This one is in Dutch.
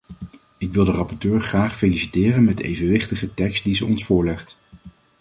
Ik wil de rapporteur graag feliciteren met de evenwichtige tekst die ze ons voorlegt.